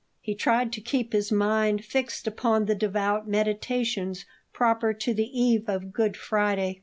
He tried to keep his mind fixed upon the devout meditations proper to the eve of Good Friday.